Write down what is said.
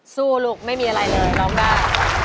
สู้ลูกไม่มีอะไรเลยร้องได้